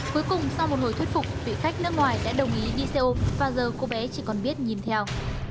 cuối cùng sau một hồi thuyết phục vị khách nước ngoài đã đồng ý đi xe ô và giờ cô bé chỉ còn biết nhìn theo